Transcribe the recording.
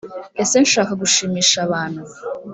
ese nshaka gushimisha abantu